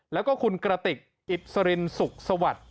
แล้วก็คุณกระติกอิสรินสุขสวัสดิ์